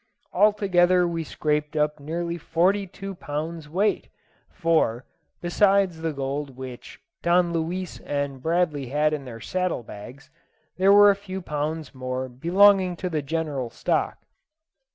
Altogether we scraped up nearly forty two pounds weight; for, besides the gold which Don Luis and Bradley had in their saddle bags, there were a few pounds more belonging to the general stock.